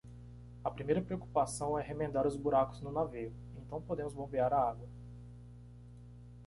A primeira preocupação é remendar os buracos no navio, então podemos bombear a água.